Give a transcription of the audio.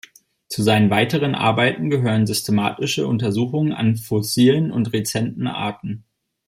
Zu seinen weiteren Arbeiten gehören systematische Untersuchungen an fossilen und rezenten Arten.